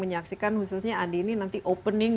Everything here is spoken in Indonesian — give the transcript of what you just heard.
menyaksikan khususnya adi ini nanti opening